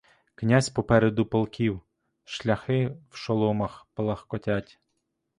Князь попереду полків, — шляхи в шоломах палахкотять.